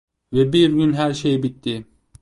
Ve bir gün her şey bitti.